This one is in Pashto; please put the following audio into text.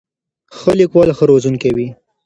ښه لیکوال ښه روزونکی وي.